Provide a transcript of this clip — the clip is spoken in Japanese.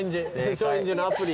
松陰寺のアプリ。